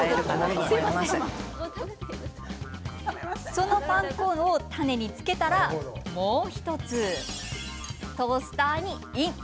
そのパン粉をタネにつけたらもう１つトースターにイン！